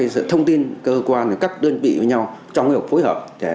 sự thông tin cơ quan các đơn vị với nhau trong việc phối hợp